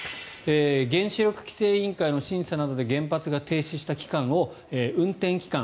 原子力規制委員会の審査などで原発が停止した期間を運転期間